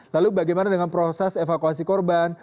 lalu bagaimana dengan proses evakuasi korban